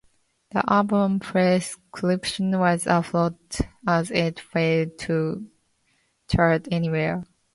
The album "Prescription" was a flop as it failed to chart anywhere.